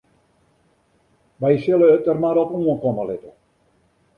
Wy sille it der mar op oankomme litte.